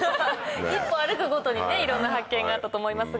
一歩歩くごとにいろんな発見があったと思いますが。